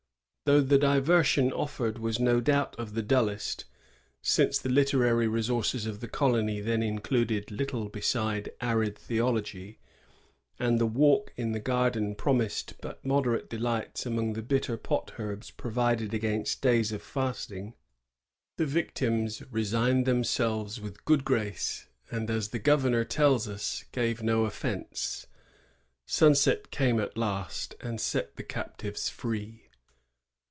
Though the diver sion offered was no doubt of the dullest, — since the literary resources of the colony then included little besides arid theology, and the walk in the garden promised but moderate delights among the bitter pot herbs provided against days of fasting, — the victims resigned themselves with good grace, and, as the governor tells us, ^^gave no offence." Sunset came at last, and set the captives free.